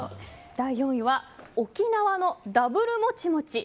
第４位は沖縄のＷもちもち